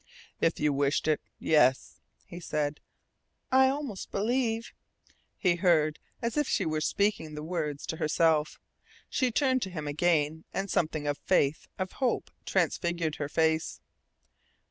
"If you wished it, yes," he said. "I almost believe," he heard, as if she were speaking the words to herself. She turned to him again, and something of faith, of hope transfigured her face.